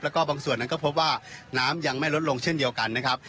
แล้วก็บางส่วนนั้นก็พบว่าน้ำยังไม่ลดลงเช่นเดียวกันนะครับ